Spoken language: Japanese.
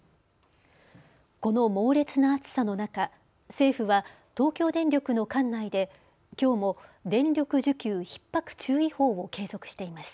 この猛烈な暑さの中、政府は東京電力の管内できょうも電力需給ひっ迫注意報を継続しています。